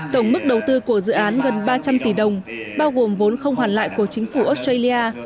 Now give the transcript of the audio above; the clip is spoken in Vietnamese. tổng mức đầu tư của dự án gần ba trăm linh tỷ đồng bao gồm vốn không hoàn lại của chính phủ australia